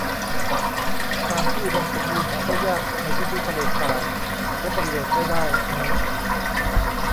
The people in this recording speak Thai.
ฟาร์มที่อุดมสมบูรณ์หาได้ยากในพื้นที่ทะเลทรายใช้ประโยชน์ไม่ได้นี้